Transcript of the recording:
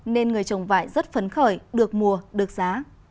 nên người trồng vải rất phấn khởi được mùa được giá